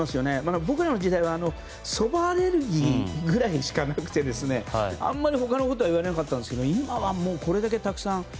僕らの時代はそばアレルギーくらいしかなくてあまり他のことはいわれなかったんですが今はもうこれだけたくさん。